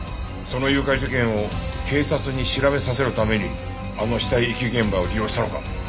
その誘拐事件を警察に調べさせるためにあの死体遺棄現場を利用したのか？